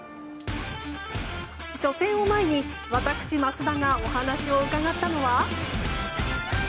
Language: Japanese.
初戦を前に私、桝田がお話を伺ったのは。